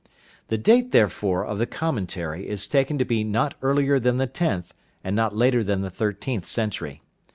The date, therefore, of the commentary is taken to be not earlier than the tenth and not later than the thirteenth century.